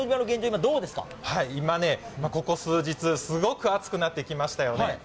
今ですね、ここ数日、すごく暑くなってきましたよね。